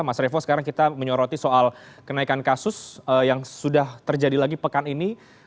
mas revo sekarang kita menyoroti soal kenaikan kasus yang sudah terjadi lagi pekan ini